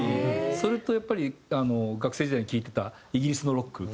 それとやっぱり学生時代に聴いてたイギリスのロック。